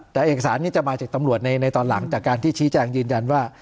แต่เอกสารนี้จะมาจากตำรวจในตอนหลังจากการที่ชี้แจงยืนยันว่า